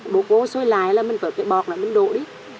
bột vô sôi lại là mình vỡ cái bọt đó mình đổ đi